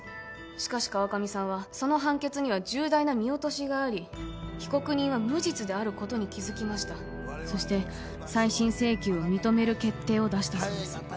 しかし川上さんはその判決には重大な見落としがあり被告人は無実であることに気づきましたそして再審請求を認める決定を出したそうです